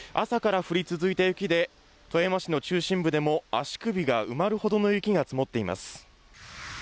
朝から降り続いた雪で富山市の中心部でも足首が埋まるほどの雪が積もっています。